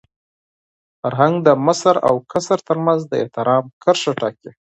فرهنګ د مشر او کشر تر منځ د احترام کرښه ټاکي.